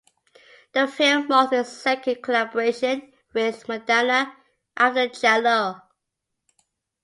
The film marked his second collaboration with Mandanna after "Chalo".